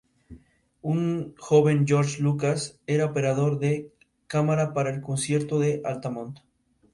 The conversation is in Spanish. Además se desplegaron tropas sauditas y se acordó un ejercicio conjunto de entrenamiento militar.